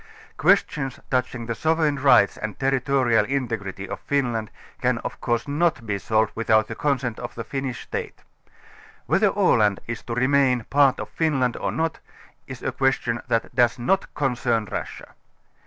Questions touching the sovereign rights and territorial integrity of Finland can of course not be solved without the consent of the Finnish . State. Whether Aland is to remain part of Finland or not, is a question that does not concern Russia.